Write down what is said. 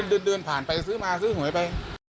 ก็ไม่ได้สนิทสนมอะไรเดือนซื้อมาไป